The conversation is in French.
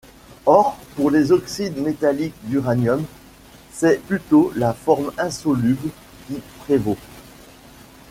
Or pour les oxydes métalliques d'uranium c'est plutôt la forme insoluble qui prévaut.